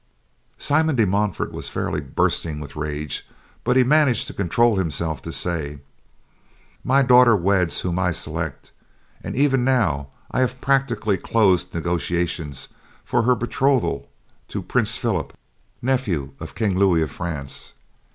Simon de Montfort was fairly bursting with rage but he managed to control himself to say, "My daughter weds whom I select, and even now I have practically closed negotiations for her betrothal to Prince Philip, nephew of King Louis of France.